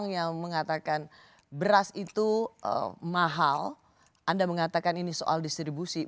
yang mengatakan beras itu mahal anda mengatakan ini soal distribusi